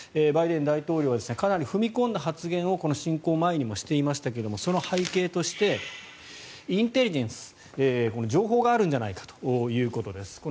バイデン大統領はかなり踏み込んだ発言を侵攻前にもしていましたけれどその背景としてインテリジェンス情報があるんじゃないかということです。